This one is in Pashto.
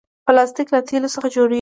پلاستيک له تیلو څخه جوړېږي.